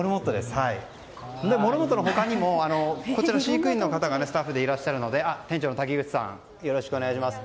モルモットの他にも飼育員の方がスタッフでいらっしゃるので店長の滝口さんよろしくお願いします。